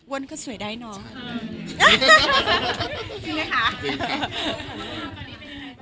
อ้วนก็สวยได้ดีเนอะจริงมั้ยค่ะจริง